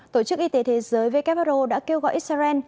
tổ chức y tế thế giới who đã kêu gọi israel